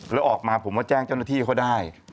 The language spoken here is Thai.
แล้วออกมาผมก็แจ้งเจ้าหน้าที่เขาได้